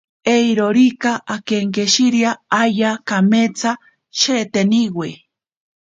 Eirorika akenkishirea ayaa kametsa sheeteniwe.